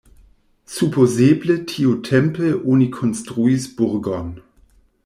Supozeble tiutempe oni konstruis burgon.